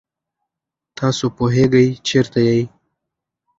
تاسو پوهېږئ چېرته یئ؟